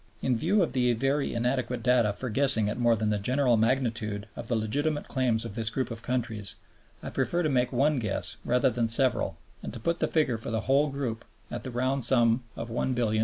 In view of the very inadequate data for guessing at more than the general magnitude of the legitimate claims of this group of countries, I prefer to make one guess rather than several and to put the figure for the whole group at the round sum of $1,250,000,000.